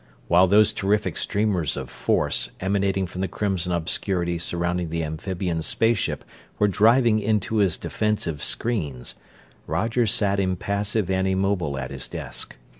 While those terrific streamers of force emanating from the crimson obscurity surrounding the amphibians' space ship were driving into his defensive screens, Roger sat impassive and immobile at his desk.